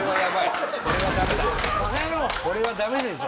これはダメでしょ